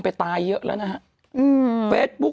พ่อเธอคิดดูว่าเฟซบุ๊ค